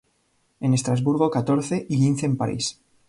En Estrasburgo catorce, y quince en París.